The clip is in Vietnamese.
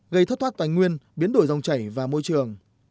gây thất thoát tài nguyên biến đổi dòng chảy và môi trường